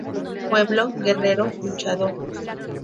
Pueblo, guerrero, luchador.